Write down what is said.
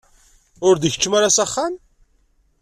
Ur d-keččmen ara s axxam?